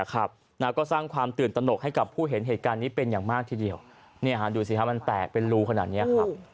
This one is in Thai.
แล้วก็สร้างความตื่นตนกให้กับผู้เห็นเหตุการณ์นี้เป็นอย่างมากทีเดียวดูสิมันแตกเป็นรูขนาดนี้ครับ